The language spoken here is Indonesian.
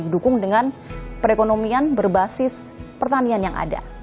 dukung dengan perekonomian berbasis pertanian yang ada